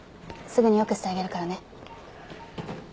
すぐによくしてあげるからね。